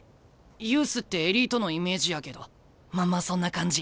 ユースってエリートのイメージやけどまんまそんな感じ。